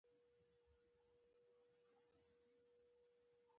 مچان د میوې پوست ته تاوېږي